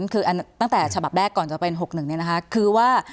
คืออันตั้งแต่ฉบับแรกก่อนจะเป็น๖๑เนี่ยนะคะคือว่า